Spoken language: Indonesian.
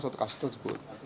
suatu kasus tersebut